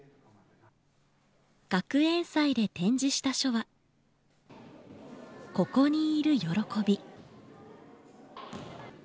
学園祭で展示した書は「ここにいる喜び」。